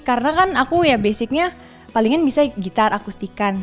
karena kan aku ya basicnya palingan bisa gitar akustikan